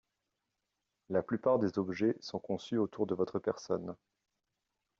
La plupart des objets sont conçus autour de votre personne.